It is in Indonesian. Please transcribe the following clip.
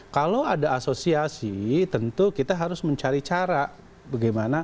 kalau ada asosiasi tentu kita harus mencari cara bagaimana